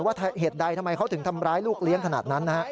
เหตุใดทำไมเขาถึงทำร้ายลูกเลี้ยงขนาดนั้นนะฮะ